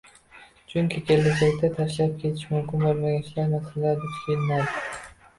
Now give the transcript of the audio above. chunki kelajakda tashlab ketish mumkin bo‘lmagan ishlar, masalalarga duch kelinadi.